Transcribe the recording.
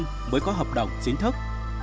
trong bảy năm mới có hợp đồng chính thức